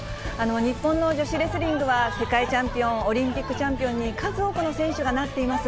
日本の女子レスリングは、世界チャンピオン、オリンピックチャンピオンに数多くの選手がなっています。